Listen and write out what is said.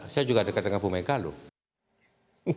saya juga dekat dengan bumega loh